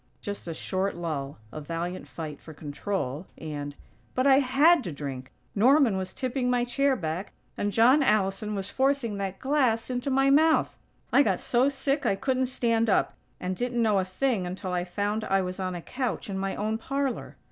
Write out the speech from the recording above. '" (Just a short lull, a valiant fight for control, and) "But I had to drink!! Norman was tipping my chair back and John Allison was forcing that glass into my mouth! I got so sick I couldn't stand up, and didn't know a thing until I found I was on a couch in my own parlor."